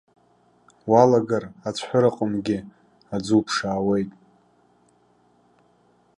Уалагар, ацәҳәыраҟынгьы аӡы уԥшаауеит.